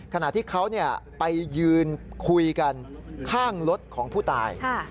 ขณะที่เขาไปยืนคุยกันข้างรถของผู้ตาย